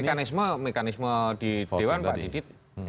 itu kan mekanisme di dewan pak didit